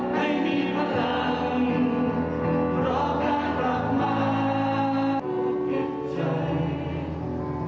เธอต้องสงใจคิดถึงหน่อยอย่าให้ฉันปล่อยใจหน่อยเศร้า